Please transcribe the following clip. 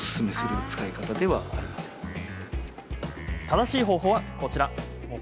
正しい方法は、こちら。